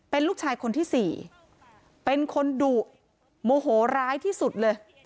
เป็นลูกชายคนที่๔เป็นคนดุโมโหร้ายที่สุดเลย